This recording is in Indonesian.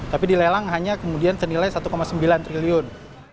tapi di lelang hanya kemudian senilai rp satu sembilan triliun